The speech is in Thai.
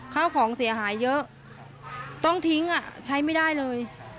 ข้าวของเสียหายเยอะต้องทิ้งใช้ไม่ได้เลย